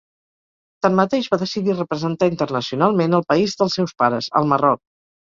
Tanmateix, va decidir representar internacionalment el país dels seus pares, el Marroc.